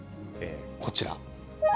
こちら。